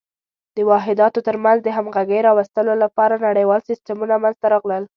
د واحداتو تر منځ د همغږۍ راوستلو لپاره نړیوال سیسټمونه منځته راغلل.